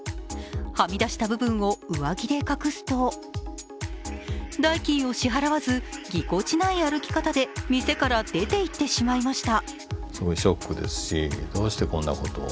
はみ出した部分を上着で隠すと、代金を支払わず、ぎこちない歩き方で店から出ていってしまいました。